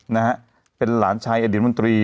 นะฮะเป็นหลานชายอดีตมนตรี